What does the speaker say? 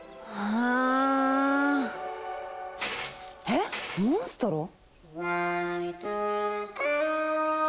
えっモンストロ？